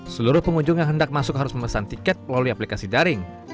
seluruh pengunjung yang hendak masuk harus memesan tiket melalui aplikasi daring